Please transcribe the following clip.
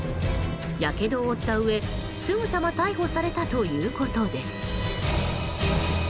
やけどを負ったうえすぐさま逮捕されたということです。